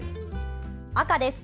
赤です。